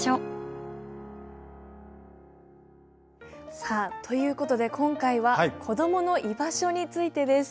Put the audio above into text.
さあということで今回は子どもの居場所についてです。